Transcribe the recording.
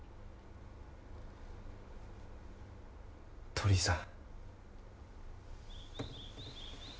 鳥居さん。